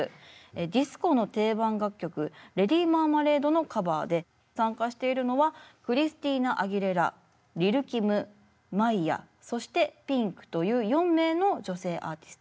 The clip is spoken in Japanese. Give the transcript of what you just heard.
ディスコの定番楽曲「ＬａｄｙＭａｒｍａｌａｄｅ」のカバーで参加しているのはクリスティーナ・アギレラリル・キムマイアそしてピンクという４名の女性アーティスト。